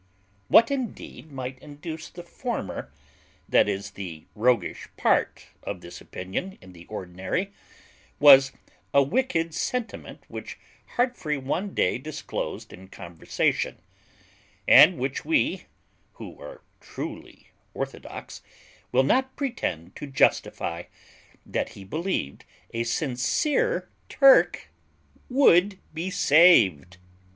What indeed might induce the former, i.e. the roguish part of this opinion in the ordinary, was a wicked sentiment which Heartfree one day disclosed in conversation, and which we, who are truly orthodox, will not pretend to justify, that he believed a sincere Turk would be saved.